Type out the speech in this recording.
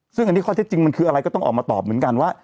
ซึ่งอันนี้ข้อเท็จจริงมันคืออะไรก็ต้องออกมาตอบเหมือนกันว่า